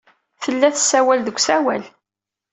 Tella tessawal deg usawal.